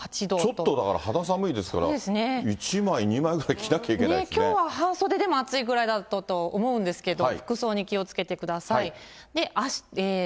ちょっとだから肌寒いですから、一枚、二枚、着なきゃいけなきょうは半袖でも暑いぐらいだったと思うんですけれども、服装に気をつけてください。